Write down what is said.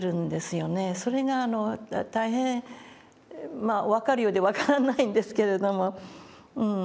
それが大変まあ分かるようで分からないんですけれども。